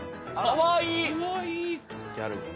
かわいい！